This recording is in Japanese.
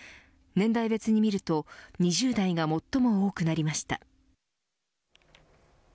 年代別にみると２０代が最も多くなりました。